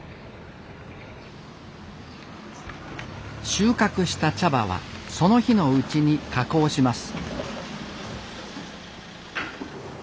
収穫した茶葉はその日のうちに加工します